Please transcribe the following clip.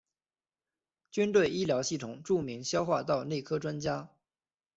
军队医疗系统著名消化道内科专家。